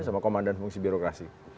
sama komandan fungsi birokrasi